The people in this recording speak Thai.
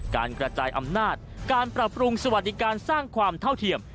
การกระจายอำนาจการปรับปรุงสวัสดิการสร้างความเท่าเทียม